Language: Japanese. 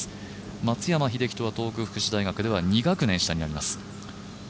松山英樹とは東北福祉大学では２学年下になります。